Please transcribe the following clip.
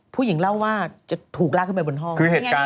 ผู้หญิงเล่าว่าจะถูกลากขึ้นไปบนห้อง